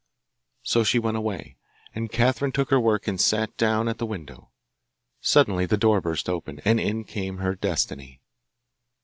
So she went away, and Catherine took her work and sat down at the window. Suddenly the door burst open, and in came her Destiny.